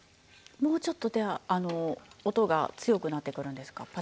もうちょっとでは音が強くなってくるんですか？